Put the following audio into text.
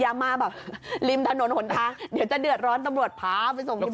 อย่ามาแบบริมถนนหนทางเดี๋ยวจะเดือดร้อนตำรวจพาไปส่งที่บ้าน